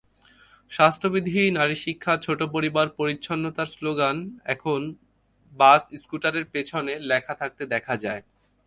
স্বাস্থ্যবিধি, নারীশিক্ষা, ছোট পরিবার, পরিচ্ছন্নতার স্লোগান—এখন বাস-স্কুটারের পেছনে লেখা থাকতে দেখা যায়।